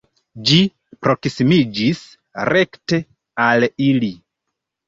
Ĝi proksimiĝis rekte al ili.